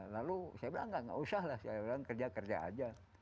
lalu saya bilang nggak usah lah saya bilang kerja kerja aja